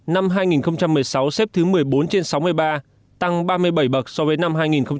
năm hai nghìn một mươi sáu xếp thứ một mươi bốn trên sáu mươi ba tăng ba mươi bảy bậc so với năm hai nghìn một mươi bảy